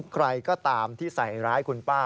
ใครก็ตามที่ใส่ร้ายคุณป้า